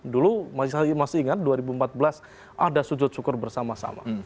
dulu masih ingat dua ribu empat belas ada sujud syukur bersama sama